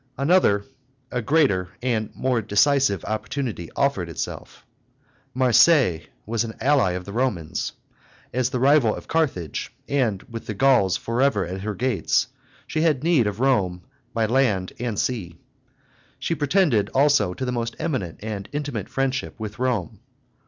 Another, a greater and more decisive opportunity offered itself. Marseilles was an ally of the Romans. As the rival of Carthage, and with the Gauls forever at her gates, she had need of Rome by sea and land. She pretended, also, to the most eminent and intimate friendship with Rome.